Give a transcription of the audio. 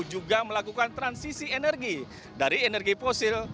juga melakukan transisi energi dari energi fosil